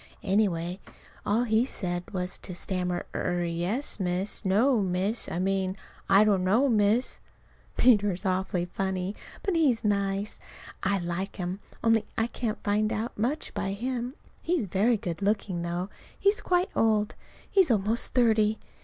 Anyway, all he said was to stammer: "Er yes, Miss no, Miss. I mean, I don't know, Miss." Peter is awfully funny. But he's nice. I like him, only I can't find out much by him. He's very good looking, though he's quite old. He's almost thirty.